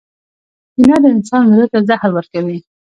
• کینه د انسان زړۀ ته زهر ورکوي.